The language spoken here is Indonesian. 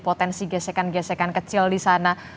potensi gesekan gesekan kecil di sana